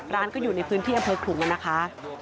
ร้านก็อยู่ในพื้นที่อำเภอขลุงนะคะ